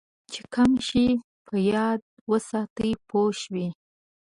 چې کم شی په یاد وساتې پوه شوې!.